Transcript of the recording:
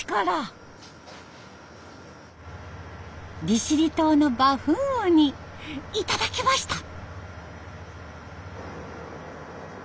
利尻島のバフンウニ頂きました。